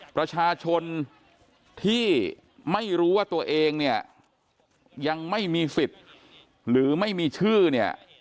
ประชาชนที่ไม่รู้ว่าตัวเองเนี่ยยังไม่มีสิทธิ์หรือไม่มีชื่อเนี่ย